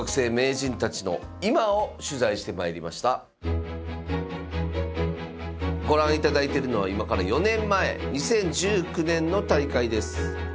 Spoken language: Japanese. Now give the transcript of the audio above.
さあご覧いただいてるのは今から４年前２０１９年の大会です。